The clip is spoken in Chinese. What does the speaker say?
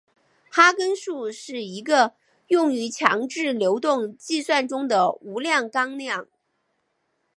哈根数是一个用于强制流动计算中的无量纲量。